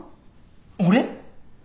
俺？